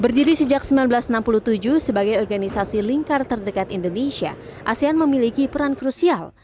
berdiri sejak seribu sembilan ratus enam puluh tujuh sebagai organisasi lingkar terdekat indonesia asean memiliki peran krusial